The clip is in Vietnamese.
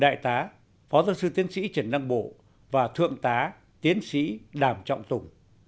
đại tá phó giáo sư tiến sĩ trần năng bộ và thượng tá tiến sĩ đàm trọng tùng